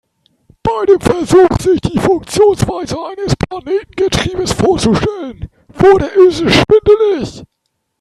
Bei dem Versuch, sich die Funktionsweise eines Planetengetriebes vorzustellen, wurde Ilse schwindelig.